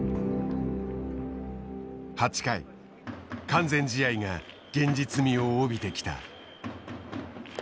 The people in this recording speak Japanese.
完全試合が現実味を帯びてきた。